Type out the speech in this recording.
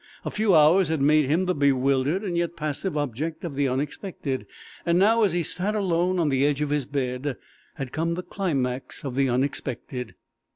A few hours had made him the bewildered and yet passive object of the unexpected. And now, as he sat alone on the edge of his bed, had come the climax of the unexpected.